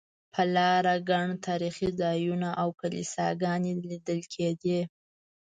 پر لاره ګڼ تاریخي ځایونه او کلیساګانې لیدل کېدې.